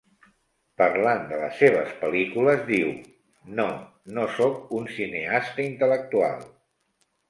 Parlant de les seves pel·lícules, diu: "No, no soc un cineasta intel·lectual".